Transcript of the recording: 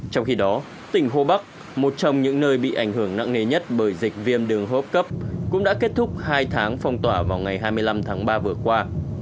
trong khi đó tỉnh hồ bắc một trong những nơi bị ảnh hưởng nặng nề nhất bởi dịch viêm đường hô hấp cấp cũng đã kết thúc hai tháng phong tỏa vào ngày hai mươi năm tháng ba vừa qua